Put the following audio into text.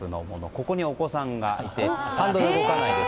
ここにお子さんがいてハンドルは動かないです。